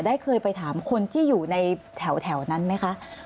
เคยไปถามคนที่อยู่ในแถวนั้นไหมคะ